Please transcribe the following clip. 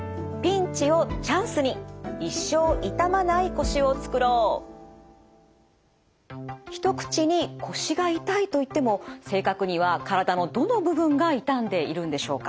一口に腰が痛いといっても正確には体のどの部分が痛んでいるんでしょうか？